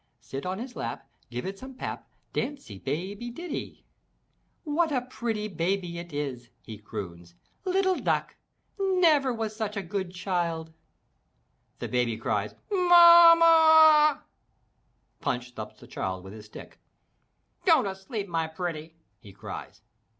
Sit on his lap, Give it some pap; Dancy, baby, diddy'' "What a pretty baby it is," he croons, "little duck! Never was such a good child!" The Baby cries, "Mama a a a!" Punch thumps the child with his stick. "Go to sleep, my pretty!" he cries.